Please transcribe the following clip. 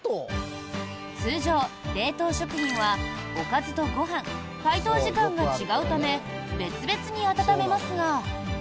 通常、冷凍食品はおかずとご飯解凍時間が違うため別々に温めますが。